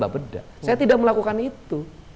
tidak beda saya tidak melakukan itu